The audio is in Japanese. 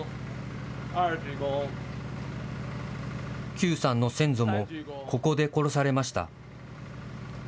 邱さんの先祖もここで殺されました。